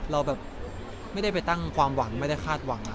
เราแบบไม่ได้ไปตั้งความหวังไม่ได้คาดหวัง